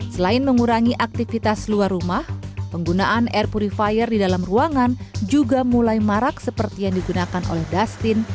selain mengurangi aktivitas luar rumah penggunaan air purifier di dalam ruangan juga mulai marak seperti yang digunakan oleh dustin